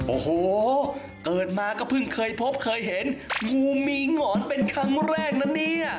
โอ้โหเกิดมาก็เพิ่งเคยพบเคยเห็นงูมีหงอนเป็นครั้งแรกนะเนี่ย